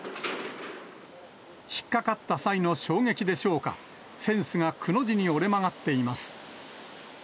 引っ掛かった際の衝撃でしょうか、フェンスがくの字に折れ曲がっています。